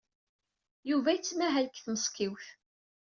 Yuba yettmahal deg tmeṣkiwt.